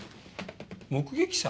目撃者？